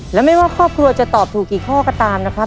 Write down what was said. และไม่ว่าครอบครัวจะตอบถูกกี่ข้อก็ตามนะครับ